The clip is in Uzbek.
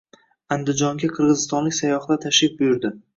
Andijonga qirg‘izistonlik sayyohlar tashrif buyurdi